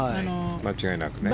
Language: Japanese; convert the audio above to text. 間違いなくね。